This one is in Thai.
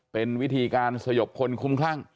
เป็นวิธีการสยบคนคุ้มคลั่ง